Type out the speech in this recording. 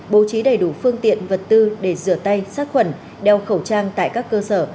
bố trí đầy đủ phương tiện vật tư để rửa tay sát khuẩn đeo khẩu trang tại các cơ sở